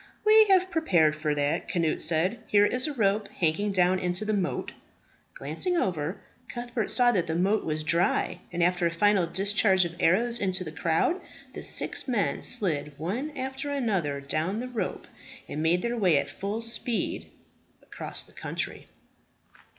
"We have prepared for that," Cnut said. "Here is a rope hanging down into the moat." Glancing over, Cuthbert saw that the moat was dry; and after a final discharge of arrows into the crowd, the six men slid one after another down the rope and made their way at full speed across the country.